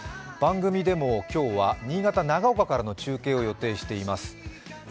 番組でも今日は新潟・長岡からの中継を予定しています。